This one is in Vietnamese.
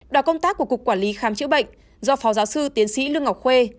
đoàn công tác của cục quản lý khám chữa bệnh do phó giáo sư tiến sĩ lương ngọc khuê